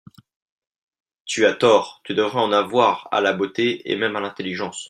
Tu as tort ; tu devrais en avoir, à la beauté, et même à l'intelligence.